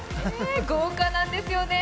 豪華なんですよね。